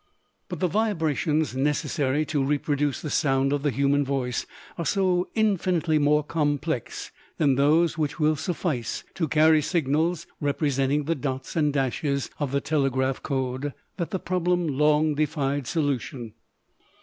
But the vibrations necessary to reproduce the sound of the human voice are so infinitely more complex than those which will suffice to carry signals representing the dots and dashes of the telegraph code that the problem long defied solution.